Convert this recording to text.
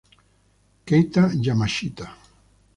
Keita Yamashita